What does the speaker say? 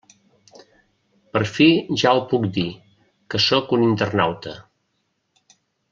Per fi ja ho puc dir, que sóc un internauta.